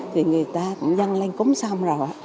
thì người ta cũng dân lên cúng xong rồi